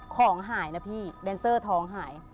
ของหายนะพี่แดนเซอร์ท้องหาย